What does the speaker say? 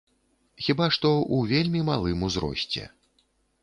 Хіба што, у вельмі малым узросце.